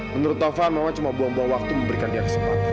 menurut taufan memang cuma buang buang waktu memberikan dia kesempatan